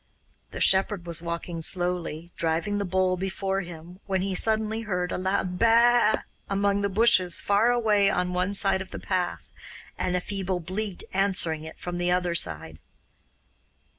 The shepherd was walking slowly, driving the bull before him, when he suddenly heard a loud baa amongst the bushes far away on one side of the path, and a feeble bleat answering it from the other side.